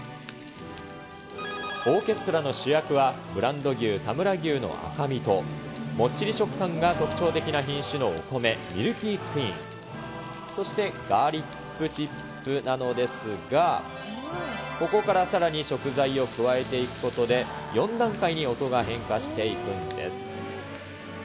オーケストラの主役は、ブランド牛、田村牛の赤身と、もっちり食感が特徴的な品種のお米、ミルキークイーン、そしてガーリックチップなのですが、ここからさらに食材を加えていくことで、４段階に音が変化していくんです。